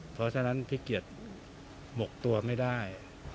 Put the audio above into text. เพราะฉะนั้นพี่เกียจหมกตัวไม่ได้